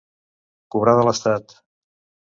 Cobrar de l'estat.